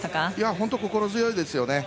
本当に心強いですね。